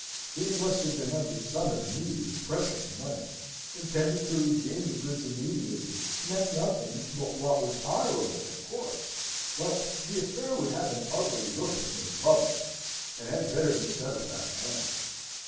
He must have been under some immediate pressure for money; intended to redeem the goods immediately, meant nothing but what was honourable of course; but the affair would have an ugly look, if made public, and had better be settled out of hand.